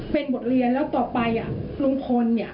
เป็นบทเรียนแล้วต่อไปลุงพลเนี่ย